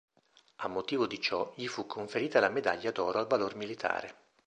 A motivo di ciò gli fu conferita la medaglia d'oro al valor militare.